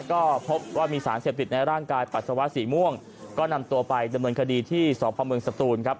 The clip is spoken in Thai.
ก็พบว่ามีสารเสพติดในร่างกายปัสสาวะสีม่วงก็นำตัวไปดำเนินคดีที่สพเมืองสตูนครับ